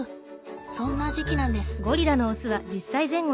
そんな時期なんです。